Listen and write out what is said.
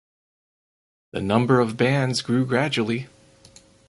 The number of bands grew gradually.